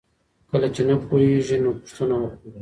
کله چي نه پوهیږې نو پوښتنه وکړه.